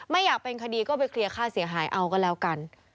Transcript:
ไม่อยากเป็นคดีก็ไปเคลียร์ค่าเสียหายเอาก็แล้วกัน